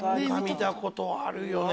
見たことあるよね。